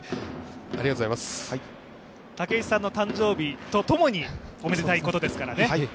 武井さんの誕生日とともにおめでたいことですからね。